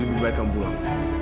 lebih baik kamu pulang